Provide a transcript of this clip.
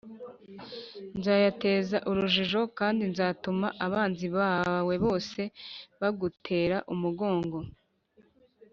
nzayateza urujijo kandi nzatuma abanzi bawe bose bagutera umugongo